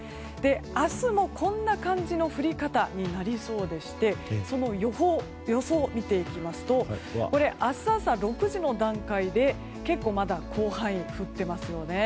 明日もこんな感じの降り方になりそうでしてその予想を見ていきますと明日朝６時の段階で、結構まだ広範囲に降っていますよね。